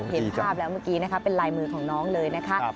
เห็นภาพแล้วเมื่อกี้นะคะเป็นลายมือของน้องเลยนะคะ